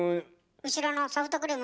後ろのソフトクリーム。